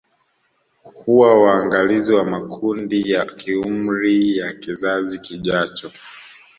Huwa waangalizi wa makundi ya kiumri ya kizazi kijacho